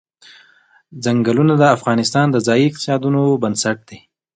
ځنګلونه د افغانستان د ځایي اقتصادونو بنسټ دی.